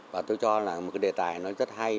và tôi cho là một cái đề tài nó rất hay